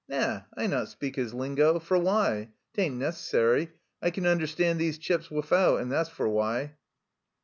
Na, I not speak his lingo for why ? 'Tain't necessary ; I can understand these chaps wifout, and that's for why."